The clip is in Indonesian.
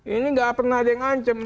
ini tidak pernah ada yang ancam